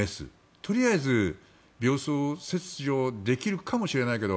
とりあえず病巣切除できるかもしれないけど